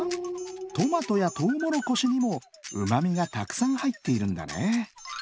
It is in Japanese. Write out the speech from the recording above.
トマトやとうもろこしにもうまみがたくさんはいっているんだね。